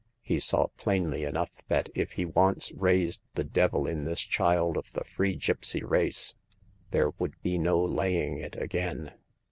He saw plainly enough that if he once raised the devil in this child of the free gipsy race, there would be no laying it again.